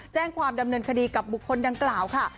แจ้งความดำเนินคดีกับบุคคลดังกล่าวค่ะ